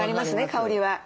香りは。